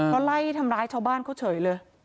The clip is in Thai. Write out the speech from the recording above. เขาไล่ทำร้ายชาวบ้านเขาเฉยเลย